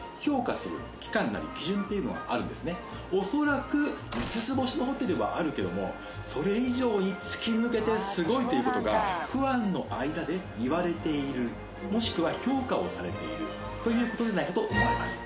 恐らく５つ星のホテルはあるけどもそれ以上に突き抜けてすごいという事がファンの間で言われているもしくは評価をされているという事でないかと思われます。